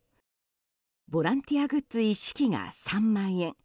ボランティアグッズ一式が３万円。